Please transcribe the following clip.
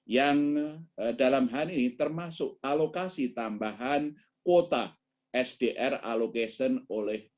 yang dalam hal ini termasuk alokasi tambahan kuota sdr alocation oleh